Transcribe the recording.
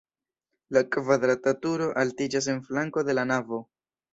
La kvadrata turo altiĝas en flanko de la navo.